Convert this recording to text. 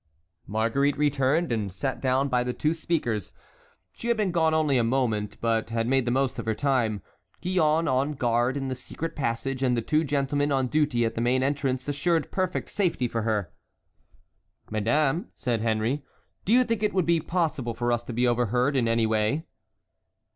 Marguerite returned and sat down by the two speakers. She had been gone only a moment, but had made the most of her time. Gillonne, on guard in the secret passage, and the two gentlemen on duty at the main entrance, assured perfect safety for her. "Madame," said Henry, "do you think it would be possible for us to be overheard in any way?"